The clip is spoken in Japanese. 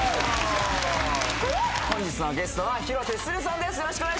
本日のゲストは広瀬すずさんです